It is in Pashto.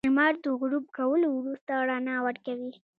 • لمر د غروب کولو وروسته رڼا ورکوي.